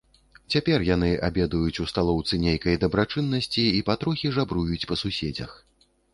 Цяпер яны абедаюць у сталоўцы нейкай дабрачыннасці і патрохі жабруюць па суседзях.